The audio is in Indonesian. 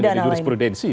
bisa menjadi jurisprudensi